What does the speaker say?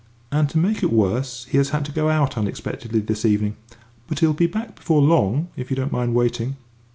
And to make it worse, he has had to go out unexpectedly this evening, but he'll be back before very long if you don't mind waiting."